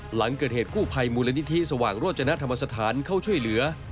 หลังเกิดเหตุกู้ภัยมูลนิธิสว่างโรจนธรรมสถานเข้าช่วยเหลือ